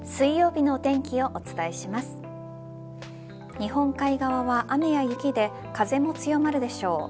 日本海側は雨や雪で風も強まるでしょう。